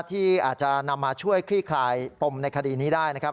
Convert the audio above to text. ที่อาจจะนำมาช่วยคลี่คลายปมในคดีนี้ได้นะครับ